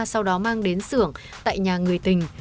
sau đó mang đến xưởng tại nhà người tình